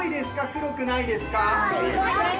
黒くないですか？